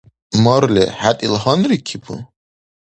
Марли, хӀед ил гьанрикибу?